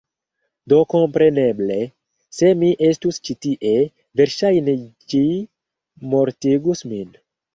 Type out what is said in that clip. Do kompreneble, se mi estus ĉi tie, verŝajne ĝi mortigus min.